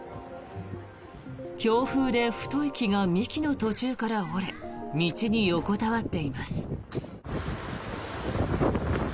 強風で太い木が幹の途中から折れ道に横たわっています。